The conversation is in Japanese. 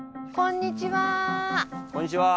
こんにちは。